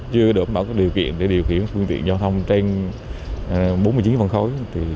chưa đủ mở điều kiện để điều khiển quyền tiện giao thông trên bốn mươi chín phần khối